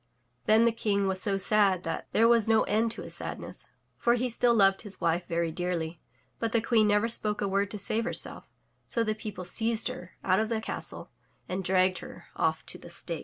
Then the King was so sad that there was no end to his sadness, for he still loved his wife very dearly, but the queen never spoke a word to save herself, so the people seized her out of the castle and dragged her off to the stake.